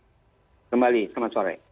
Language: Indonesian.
kembali selamat sore